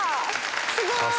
すごい！